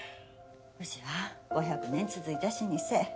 うちは５００年続いた老舗。